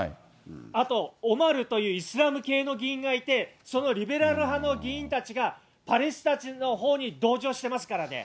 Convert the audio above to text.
あとオマルというイスラム系の議員がいて、そのリベラル派の議員たちがパレスチナたちのほうに同情してますからね。